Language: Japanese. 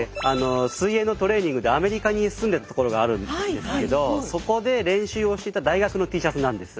水泳のトレーニングでアメリカに住んでた頃があるんですけどそこで練習をしていた大学のＴシャツなんです。